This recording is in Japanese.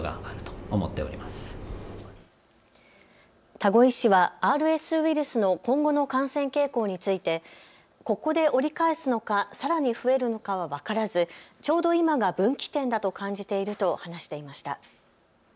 多湖医師はＲＳウイルスの今後の感染傾向についてここで折り返すのか、さらに増えるのかは分からずちょうど今が分岐点だと感じていると話していました。